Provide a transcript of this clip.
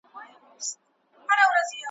بیا په شیطانه په مکاره ژبه `